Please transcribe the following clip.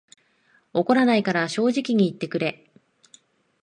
怒らないから正直に言ってくれ